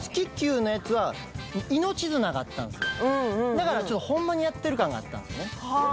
だからちょっとホンマにやってる感があったんですね。